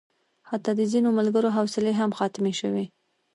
حتی د ځینو ملګرو حوصلې هم ختمې شوې.